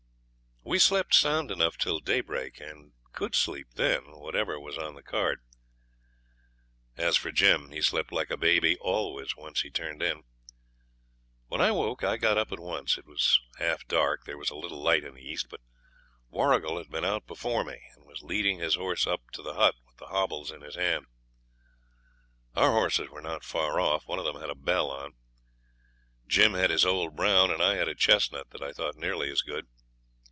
We slept sound enough till daybreak, and COULD SLEEP then, whatever was on the card. As for Jim, he slept like a baby always once he turned in. When I woke I got up at once. It was half dark; there was a little light in the east. But Warrigal had been out before me, and was leading his horse up to the hut with the hobbles in his hand. Our horses were not far off; one of them had a bell on. Jim had his old brown, and I had a chestnut that I thought nearly as good.